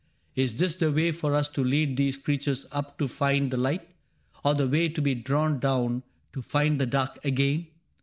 Is this the way for us To lead these creatures up to find the light. Or the way to be drawn down to find the dark Again